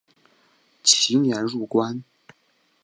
其年入关。